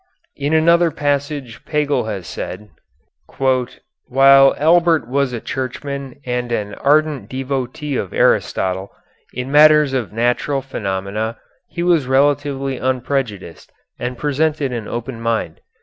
In another passage Pagel has said: While Albert was a Churchman and an ardent devotee of Aristotle, in matters of natural phenomena he was relatively unprejudiced and presented an open mind.